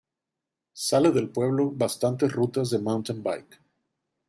Sale del pueblo bastantes rutas de Mountain Bike.